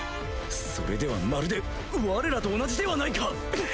それではまるでわれらと同じではないか！